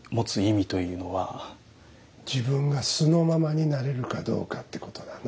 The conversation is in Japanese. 自分が素のままになれるかどうかってことだね。